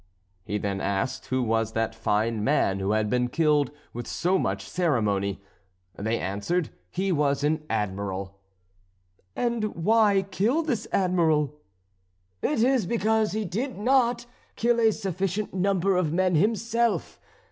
He then asked who was that fine man who had been killed with so much ceremony. They answered, he was an Admiral. "And why kill this Admiral?" "It is because he did not kill a sufficient number of men himself.